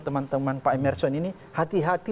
teman teman pak emerson ini hati hati